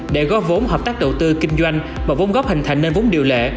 để góp vốn hợp tác đầu tư kinh doanh và vốn góp hình thành nên vốn điều lệ